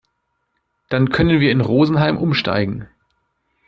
Dann können wir in Rosenheim umsteigen.